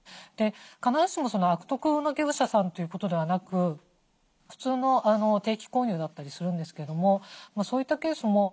必ずしも悪徳な業者さんということではなく普通の定期購入だったりするんですけどもそういったケースも。